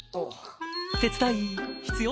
手伝い必要？